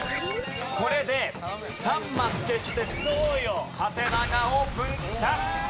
これで３マス消してハテナがオープンした。